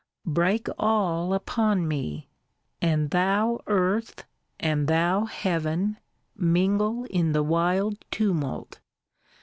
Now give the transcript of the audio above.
Break all upon me! — and thou Earth, and thou Heaven, mingle in the wild tumult!